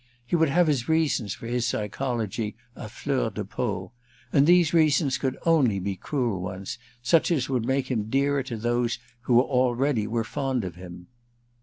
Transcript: He would have his reasons for his psychology à fleur de peau, and these reasons could only be cruel ones, such as would make him dearer to those who already were fond of him.